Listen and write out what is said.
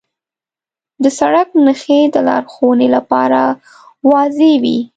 د سړک نښې د لارښوونې لپاره واضح وي.